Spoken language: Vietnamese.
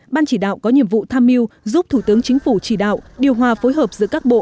ban chỉ đạo có nhiệm vụ tham mưu giúp thủ tướng chính phủ chỉ đạo điều hòa phối hợp giữa các bộ